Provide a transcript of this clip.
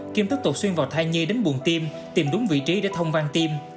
kim thất tột xuyên vào thai nhi đến buồn tim tìm đúng vị trí để thông vang tim